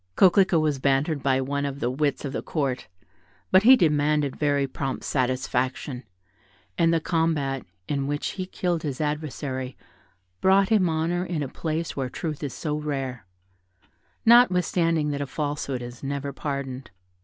Coquelicot was bantered by one of the wits of the Court; but he demanded very prompt satisfaction, and the combat, in which he killed his adversary, brought him honour in a place where truth is so rare, notwithstanding that a falsehood is never pardoned.